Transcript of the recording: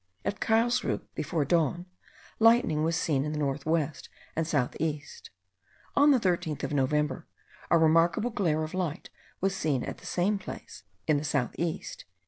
At Carlsruhe, before dawn, lightning was seen in the north west and south east. On the 13th of November a remarkable glare of light was seen at the same place in the south east.)